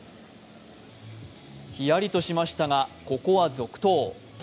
ヒヤリとしましたがここは続投。